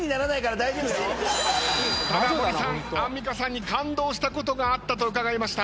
ただ森さんアンミカさんに感動したことがあったと伺いました。